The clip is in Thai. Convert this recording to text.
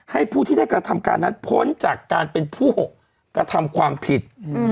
ผู้ที่ได้กระทำการนั้นพ้นจากการเป็นผู้กระทำความผิด